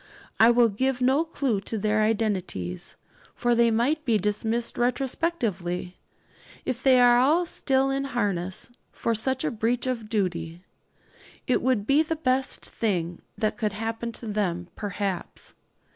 I will give no clue to their identities; for they might be dismissed retrospectively, if they are still in harness, for such a breach of duty. It would be the best thing that could happen to them, perhaps.